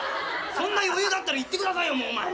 そんな余裕があったら行ってくださいよ前に。